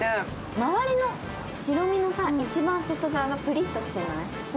周りの白身の一番外側がぷりっとしてない？